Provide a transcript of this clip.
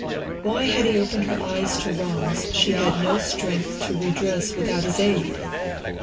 Why had he opened her eyes to wrongs she had no strength to redress without his aid?